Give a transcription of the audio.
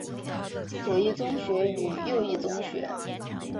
左翼宗学与右翼宗学。